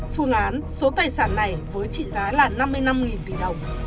phương án số tài sản này với trị giá là năm mươi năm tỷ đồng